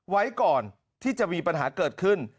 ไว้ก่อนที่จะมีปัญหาเกิดขึ้น